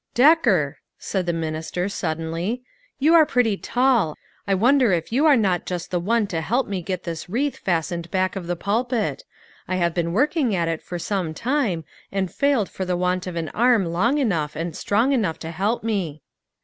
" Decker," said the minister, suddenly, " you are pretty tall, I wonder if you are not just the one to help me get this wreath fastened back of the pulpit? I have been working at it for some time, and failed for the want of an arm long enough and strong enough to help me."